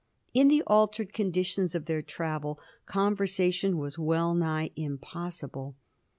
In the altered conditions of their travel, conversation was well nigh impossible.